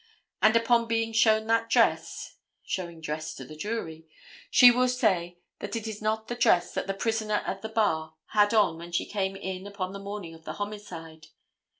And upon being shown that dress (showing dress to the jury), she will say that it is not the dress that the prisoner at the bar had on when she came in upon the morning of the homicide.